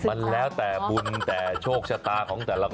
มันแล้วแต่บุญแต่โชคชะตาของแต่ละคน